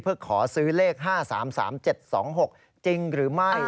เพื่อขอซื้อเลข๕๓๓๗๒๖จริงหรือไม่